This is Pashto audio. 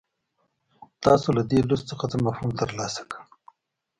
تاسو له دې لوست څخه څه مفهوم ترلاسه کړ.